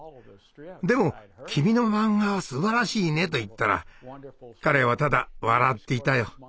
でも「君のマンガはすばらしいね」と言ったら彼はただ笑っていたよ。